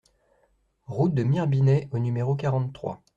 Route de Mirebinet au numéro quarante-trois